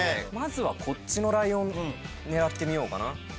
まずはこっちのライオン狙ってみようかな。